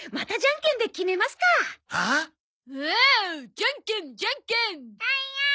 じゃんけんじゃんけん！